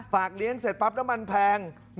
เลี้ยงเสร็จปั๊บน้ำมันแพง